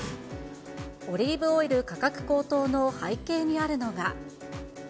オリーブオイル価格高騰の背景にあるのが。